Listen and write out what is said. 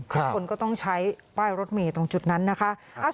คนก็ต้องใช้ป้ายรถเมย์ตรงจุดนั้นนะคะ